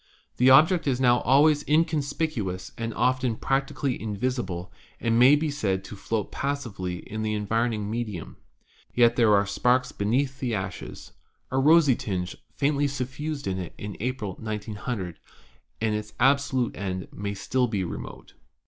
The object is now always inconspicuous and often prac tically invisible, and may be said to float passively in the environing medium. Yet there are sparks beneath the ashes. A rosy tinge faintly suffused it in April, 1900, and its absolute end may still be remote.